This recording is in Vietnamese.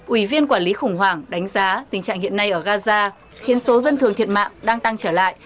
ủy viên quản lý khủng hoảng đánh giá tình trạng hiện nay ở gaza khiến số dân thường thiệt mạng đang tăng trở lại